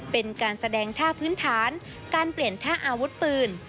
เป็นการแสดงท่าพื้นฐานการเปลี่ยนท่าอาวุธปืน